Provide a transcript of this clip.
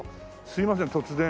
すいません突然。